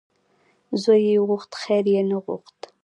ـ زوی یې غوښت خیر یې نه غوښت .